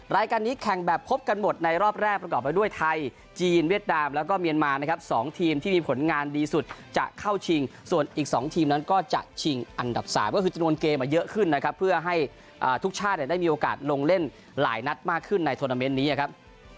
รายการนี้แข่งแบบพบกันหมดในรอบแรกประกอบไปด้วยไทยจีนเวียดนามแล้วก็เมียนมานะครับ๒ทีมที่มีผลงานดีสุดจะเข้าชิงส่วนอีก๒ทีมนั้นก็จะชิงอันดับ๓ก็คือจำนวนเกมเยอะขึ้นนะครับเพื่อให้ทุกชาติได้มีโอกาสลงเล่นหลายนัดมากขึ้นในโทรนาเมนต์นี้ครับ